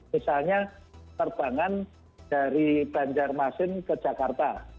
misalnya terbangan dari banjarmasin ke jakarta